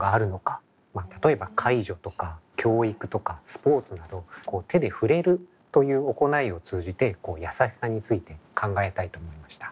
例えば介助とか教育とかスポーツなどこう手でふれるという行いを通じてやさしさについて考えたいと思いました。